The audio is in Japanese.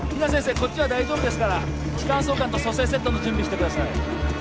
こっちは大丈夫ですから気管挿管と蘇生セットの準備してください